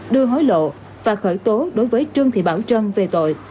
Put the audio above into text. đưa hối lộ và khởi tố đối với trương thị bảo trân về tội